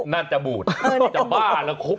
มาก